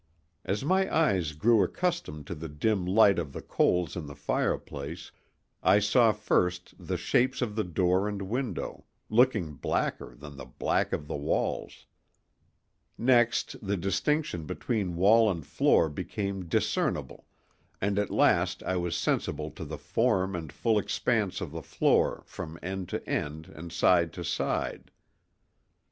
As my eyes grew accustomed to the dim light of the coals in the fireplace, I saw first the shapes of the door and window, looking blacker than the black of the walls. Next, the distinction between wall and floor became discernible, and at last I was sensible to the form and full expanse of the floor from end to end and side to side.